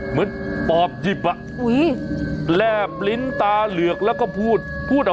เมืองปอปหยิบอ่ะแร่บลิ้นตาเหลือกแล้วพูดออกมานะว่า